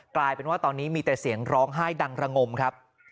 กลายเป็นว่าตอนนี้มีแต่เสียงร้องไห้ดังระงมครับ